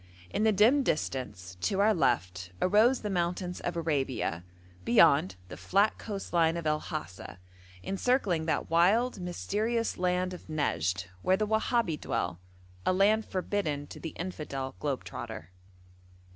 In the dim distance, to our left, arose the mountains of Arabia; beyond, the flat coast line of El Hasa, encircling that wild, mysterious land of Nejd, where the Wahabi dwell a land forbidden to the infidel globe trotter.